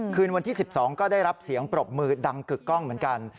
คืนวันที่๑๒ก็ได้รับเสียงปรบมือดังกึกกล้องเหมือนกัน